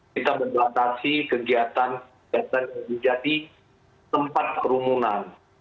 kita membatasi kegiatan kegiatan yang menjadi tempat kerumunan